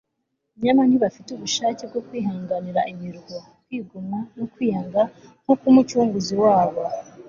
nyamara ntibafite ubushake bwo kwihanganira imiruho, kwigomwa, no kwiyanga nk'uko umucunguzi wabo